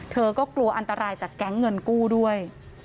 เธอก็กลัวอันตรายจากแก๊งเงินกู้ด้วย